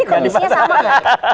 ini kondisinya sama nggak